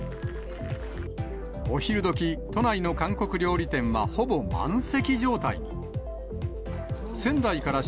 お昼どき、都内の韓国料理店は、ほぼ満席状態に。